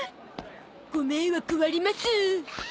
ご迷惑わります。